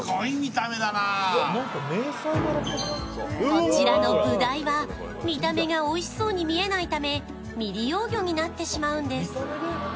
こちらのブダイは見た目がおいしそうに見えないため未利用魚になってしまうんです。